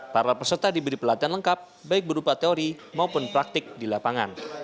para peserta diberi pelatihan lengkap baik berupa teori maupun praktik di lapangan